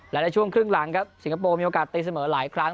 และในช่วงครึ่งหลังครับสิงคโปร์มีโอกาสตีเสมอหลายครั้ง